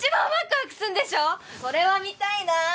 それは見たいな！